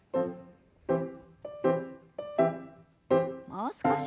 もう少し。